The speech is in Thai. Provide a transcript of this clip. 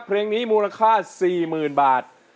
เพลงนี้มูลค่า๔๐๐๐บาท